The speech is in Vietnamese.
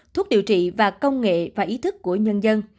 thuốc điều trị và công nghệ và ý thức của nhân dân